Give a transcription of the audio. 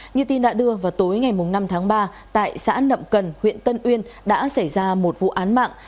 như tin đã đưa vào tối ngày năm tháng ba tại xã nậm cần huyện tân uyên đã xảy ra một vụ án mạng